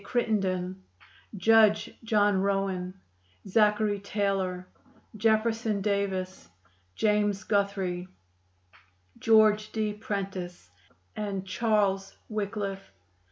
Crittenden, Judge John Rowan, Zachary Taylor, Jefferson Davis, James Guthrie, George D. Prentice and Charles Wickliffe.